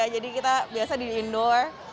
kita biasa di indoor